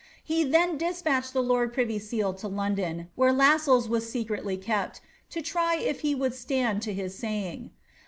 ''* He then despatched the lord privy seal to London, where Lassells was secretly kept, to try if he would stand to his saying.